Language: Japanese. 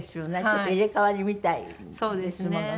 ちょっと入れ替わりみたいですものね。